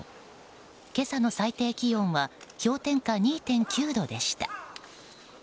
今朝の最低気温は氷点下２．９度でした。